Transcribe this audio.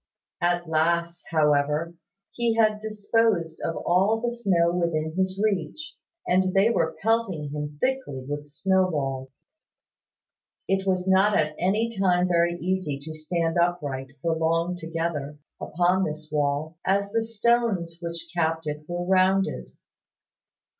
At last, however, he had disposed of all the snow within his reach, and they were pelting him thickly with snow balls. It was not at any time very easy to stand upright, for long together, upon this wall, as the stones which capped it were rounded.